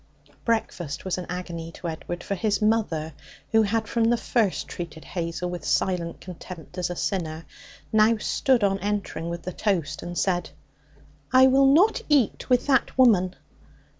Breakfast was an agony to Edward, for his mother, who had from the first treated Hazel with silent contempt as a sinner, now stood, on entering with the toast, and said: 'I will not eat with that woman.'